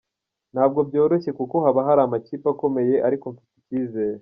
Ntabwo byoroshye kuko haba hari amakipe akomeye ariko mfite icyizere.